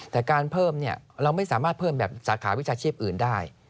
แต่การเพิ่มเราไม่สามารถเพิ่มแบบสาขาวิชาชีพอื่นได้